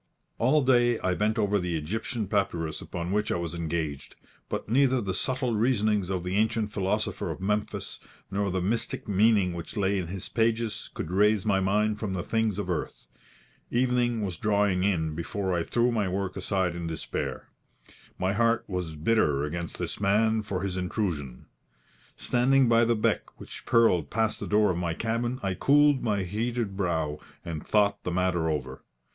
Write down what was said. All day I bent over the Egyptian papyrus upon which I was engaged; but neither the subtle reasonings of the ancient philosopher of Memphis, nor the mystic meaning which lay in his pages, could raise my mind from the things of earth. Evening was drawing in before I threw my work aside in despair. My heart was bitter against this man for his intrusion. Standing by the beck which purled past the door of my cabin, I cooled my heated brow, and thought the matter over.